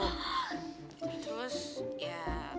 gitu terus ya